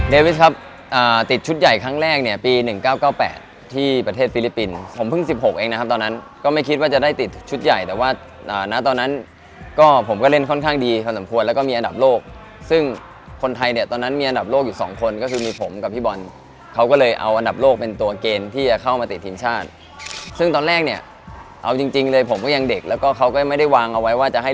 เดวิสครับติดชุดใหญ่ครั้งแรกปี๑๙๙๘ที่ประเทศฟิลิปปินส์ผมเพิ่ง๑๖เองนะครับตอนนั้นก็ไม่คิดว่าจะได้ติดชุดใหญ่แต่ว่าตอนนั้นก็ผมก็เล่นค่อนข้างดีค่อนสมควรแล้วก็มีอันดับโลกซึ่งคนไทยตอนนั้นมีอันดับโลกอยู่สองคนก็คือมีผมกับพี่บอลเขาก็เลยเอาอันดับโลกเป็นตัวเกณฑ์ที่เข้ามาติดทีมชาต